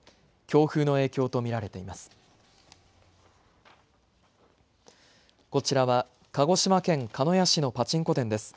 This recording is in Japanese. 強風の影響と見られています。